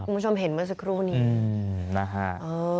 คุณผู้ชมเห็นมาสักครู่นี่อืมนะฮะเออ